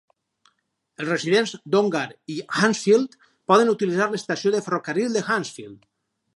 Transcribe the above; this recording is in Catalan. Els residents d'Ongar i Hansfield poden utilitzar l'estació de ferrocarril de Hansfield.